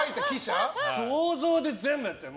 想像で全部やってる。